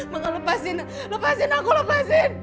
maka lepasin lepasin aku lepasin